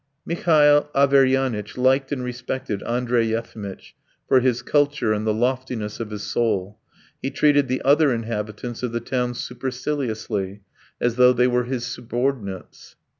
Mihail Averyanitch liked and respected Andrey Yefimitch for his culture and the loftiness of his soul; he treated the other inhabitants of the town superciliously, as though they were his subordinates.